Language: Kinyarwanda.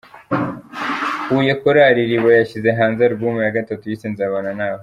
Huye Korali Iriba yashyize hanze album ya gatatu yise “Nzabana Nawe”